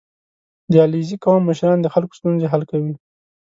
• د علیزي قوم مشران د خلکو ستونزې حل کوي.